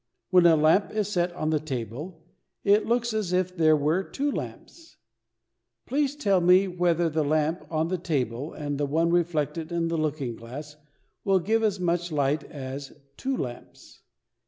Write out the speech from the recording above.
When a lamp is set on the table, it looks as if there were two lamps. Please tell me whether the lamp on the table and the one reflected in the looking glass will give as much light as two lamps.